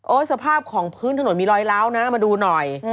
สภาพของพื้นถนนมีรอยล้าวนะมาดูหน่อย